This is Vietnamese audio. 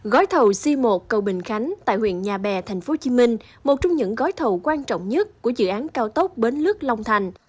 gói thầu c một cầu bình khánh tại huyện nhà bè tp hcm một trong những gói thầu quan trọng nhất của dự án cao tốc bến lước long thành